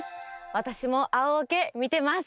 私も「青オケ」見てます！